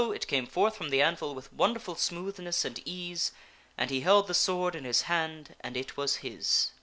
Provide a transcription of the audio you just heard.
it came forth from the anvil with wonderful smooth ness and ease, and he held the sword in his hand, and it was his.